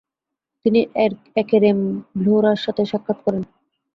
তিনি একেরেম ভ্লোরার সাথে সাক্ষাৎ করেন।